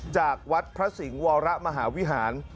จากวัดพระสิงห์วรมหาวิหาร